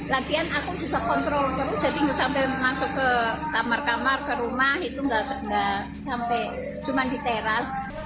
latihan aku juga kontrol terus jadi sampai masuk ke kamar kamar ke rumah itu nggak sampai cuma di teras